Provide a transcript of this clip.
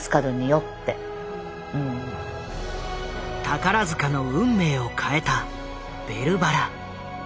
宝塚の運命を変えた「ベルばら」。